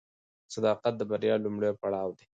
صداقت د بریا لومړی پړاو دی.